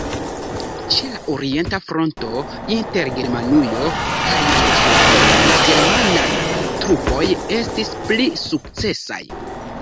Ĉe la orienta fronto, inter Germanujo kaj Rusujo, la germanaj trupoj estis pli sukcesaj.